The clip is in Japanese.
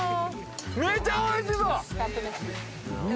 めっちゃおいしそう！